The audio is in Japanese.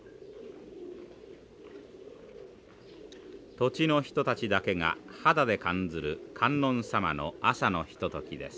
土地の人たちだけが肌で感ずる観音さまの朝のひとときです。